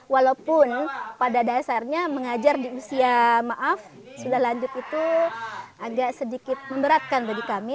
walaupun pada dasarnya mengajar di usia maaf sudah lanjut itu agak sedikit memberatkan bagi kami